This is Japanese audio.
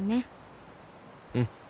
うん。